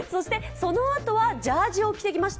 そのあとはジャージーを着てきました。